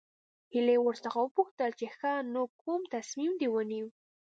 هيلې ورڅخه وپوښتل چې ښه نو کوم تصميم دې ونيو.